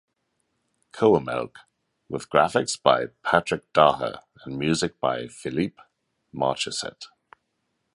Coemelck, with graphics by Patrick Daher and music by Philippe Marchiset.